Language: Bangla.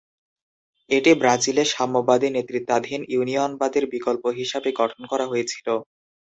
এটি ব্রাজিলে সাম্যবাদী নেতৃত্বাধীন ইউনিয়নবাদের বিকল্প হিসাবে গঠন করা হয়েছিল।